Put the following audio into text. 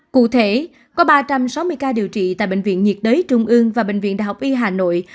cụ thể có ba trăm sáu mươi ca điều trị tại bệnh viện nhiệt đới trung ương và bệnh viện đại học y hà nội